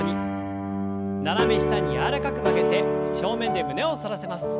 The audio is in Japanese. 斜め下に柔らかく曲げて正面で胸を反らせます。